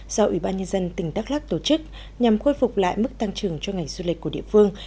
do ủy ban nhân dân tỉnh đắk lắc tổ chức nhằm khôi phục lại mức tăng trưởng cho ngành du lịch của địa phương